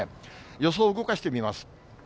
予想を動かしてみます。